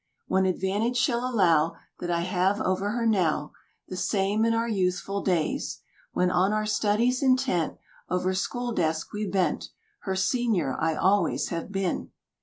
One advantage she'll allow That I have over her now, The same in our youthful days, when On our studies intent Over school desk we bent, Her Senior I always have been.